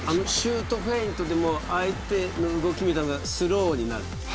シュートフェイントで相手の動きみたいなのがスローになる。